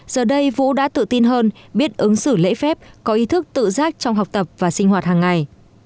giờ đây vũ đã tự tin hơn biết ứng xử lễ phép có ý thức tự giác trong học tập và sinh hoạt hàng ngày